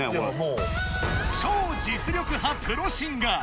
超実力派プロシンガー